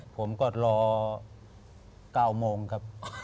ผมก็รอ๙โมงครับ